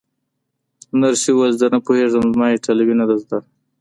نرسې وویل: زه نه پوهېږم، زما ایټالوي نه ده زده.